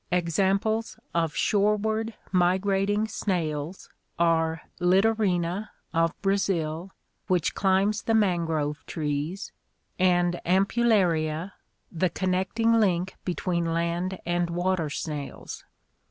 Examples of shoreward mi grating snails are Litiorina of Brazil, which climbs the mangrove trees, and Amputtaria, the connecting link between land and water snails.